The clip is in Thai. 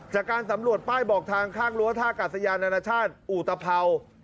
จากการสำรวจป้ายบอกทางข้างรั้วท่ากาศยานานาชาติอุตภัวร์